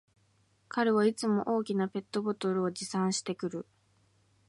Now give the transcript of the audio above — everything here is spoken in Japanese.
彼はいつも大きなペットボトルを持参してくる